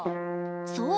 そう。